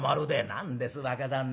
「何です若旦那。